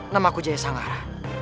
namaku jaya sangara